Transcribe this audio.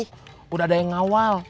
sudah ada yang ngawal